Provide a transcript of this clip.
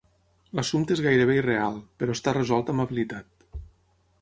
L'assumpte és gairebé irreal, però està resolt amb habilitat.